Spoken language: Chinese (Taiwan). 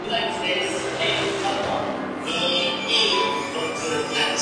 請問這一種專業知識